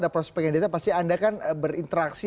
proses pengendalian pasti anda kan berinteraksi